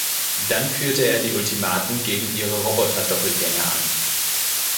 Dann führte er die Ultimaten gegen ihre Roboter-Doppelgänger an.